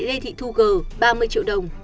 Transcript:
lê thị thu gờ ba mươi triệu đồng